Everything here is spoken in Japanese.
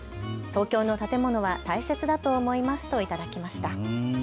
東京の建物は大切だと思いますと頂きました。